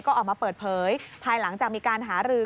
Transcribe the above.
ก็ออกมาเปิดเผยภายหลังจากมีการหารือ